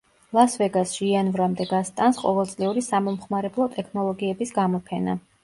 ლას-ვეგასში იანვრამდე გასტანს ყოველწლიური სამომხმარებლო ტექნოლოგიების გამოფენა.